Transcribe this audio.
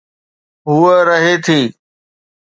هوءَ رهي ٿي.